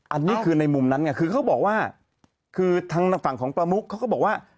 อันนี้คือในมุมนั้นไงคือเขาบอกว่าคือทางฝั่งของประมุกเขาก็บอกว่า